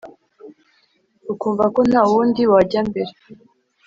ukumva ko nta wundi wajya mbere